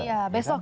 iya besok ya